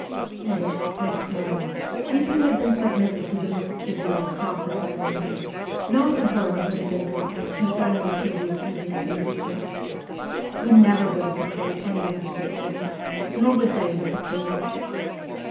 And if, next morning, we two had been submitted to the most severe cross examination, not a word would have been dropped concerning the previous evening's amusements. We never would have betrayed any one of the servants, nor would they have betrayed us.